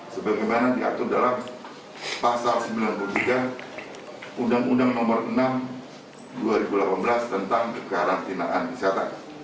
sebagai penyelenggaraan kekasih dan penyelenggaraan kekasih